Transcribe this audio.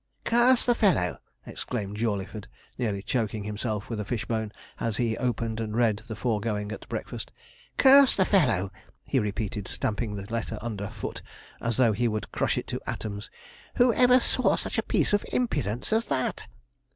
'Curse the fellow!' exclaimed Jawleyford, nearly choking himself with a fish bone, as he opened and read the foregoing at breakfast. 'Curse the fellow!' he repeated, stamping the letter under foot, as though he would crush it to atoms. 'Who ever saw such a piece of impudence as that!'